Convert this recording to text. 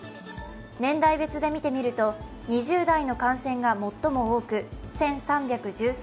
年代別で見てみると２０代の感染が最も多く１３１３人。